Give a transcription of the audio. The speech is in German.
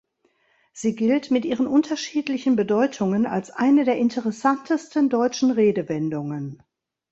Sie gilt mit ihren unterschiedlichen Bedeutungen als eine der interessantesten deutschen Redewendungen.